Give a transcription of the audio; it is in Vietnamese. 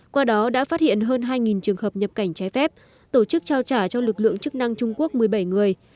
qua đó đã phát hiện hơn hai trường hợp nhập cảnh trái phép tổ chức trao trả cho lực lượng chức năng trung quốc một mươi bảy người